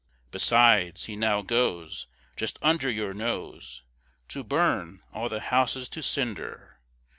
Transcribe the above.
"Besides, he now goes, Just under your nose, To burn all the houses to cinder."